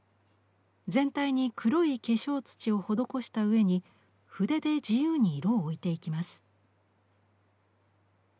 全体に黒い化粧土を施した上に筆で自由に色を置いていきます。